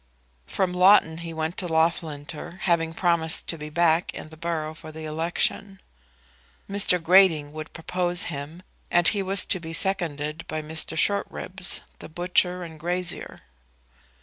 From Loughton he went to Loughlinter, having promised to be back in the borough for the election. Mr. Grating would propose him, and he was to be seconded by Mr. Shortribs, the butcher and grazier.